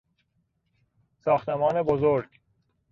ساختمان بزرگ